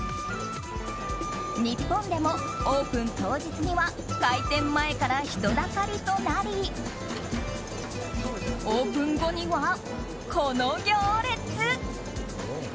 日本でもオープン当日には開店前から人だかりとなりオープン後には、この行列。